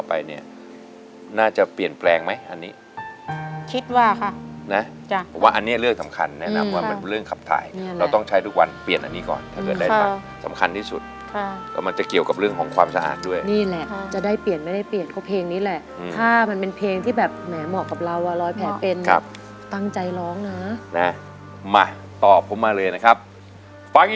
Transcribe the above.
ไปเนี่ยน่าจะเปลี่ยนแปลงไหมอันนี้คิดว่าค่ะนะจ้ะเพราะว่าอันนี้เรื่องสำคัญแนะนำว่ามันเป็นเรื่องขับถ่ายเราต้องใช้ทุกวันเปลี่ยนอันนี้ก่อนถ้าเกิดได้บัตรสำคัญที่สุดค่ะก็มันจะเกี่ยวกับเรื่องของความสะอาดด้วยนี่แหละจะได้เปลี่ยนไม่ได้เปลี่ยนก็เพลงนี้แหละถ้ามันเป็นเพลงที่แบบแหมเหมาะกับเราว่าร้อยแผลเป็นครับตั้งใจร้องนะนะมาตอบผมมาเลยนะครับฟัง